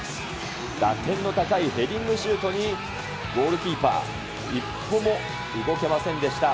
打点の高いヘディングシュートに、ゴールキーパー、一歩も動けませんでした。